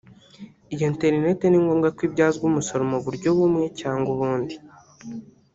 Iyi internet ni ngombwa ko ibyazwa umusaruro mu buryo bumwe cyangwa ubundi